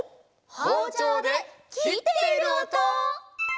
ほうちょうできっているおと！